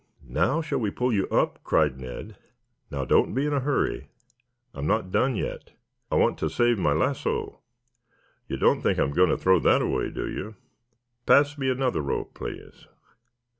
"Now shall we pull you up?" cried Ned. "Now, don't be in a hurry. I'm not done yet. I want to save my lasso. You don't think I'm going to throw that away, do you? Pass me another rope, please."